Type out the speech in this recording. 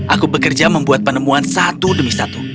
aku bekerja membuat penemuan satu demi satu